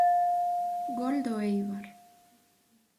Gol do Eibar.